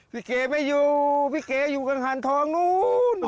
เก๋ไม่อยู่พี่เก๋อยู่กังหันทองนู้น